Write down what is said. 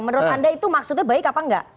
menurut anda itu maksudnya baik apa enggak